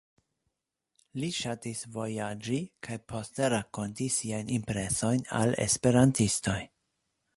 Li ŝatis vojaĝi kaj poste rakonti siajn impresojn al esperantistoj.